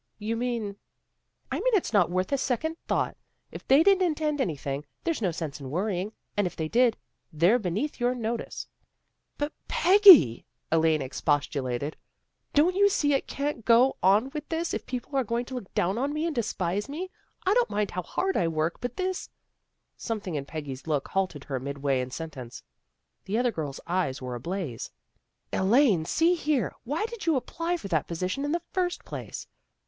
" You mean " I mean it's not worth a second thought. If they didn't intend anything, there's no sense in worrying. And if they did, they're beneath your notice." " But, Peggy! " Elaine expostulated, " don't you see I can't go on with this if people are going to look down on me and despise me? I don't mind how hard I work, but this Something in Peggy's look halted her mid way in the sentence. The other girl's eyes were ablaze. " Elaine, see here. Why did you apply for that position in the first place?